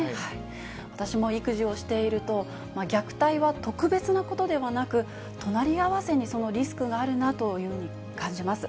私も育児をしていると、虐待は特別なことではなく、隣り合わせにそのリスクがあるなと感じます。